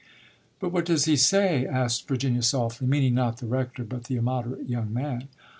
"But what does he say?" asked Virginia softly, meaning not the rector, but the immoderate young man.